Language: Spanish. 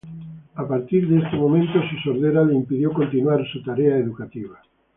A partir de este momento su sordera le impidió continuar su tarea educativa.